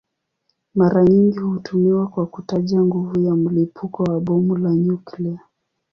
Mara nyingi hutumiwa kwa kutaja nguvu ya mlipuko wa bomu la nyuklia.